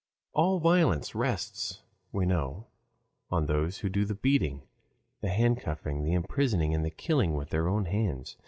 All violence rests, we know, on those who do the beating, the handcuffing, the imprisoning, and the killing with their own hands.